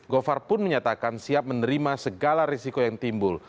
gofar pun menyatakan siap menerima segala risiko yang timbul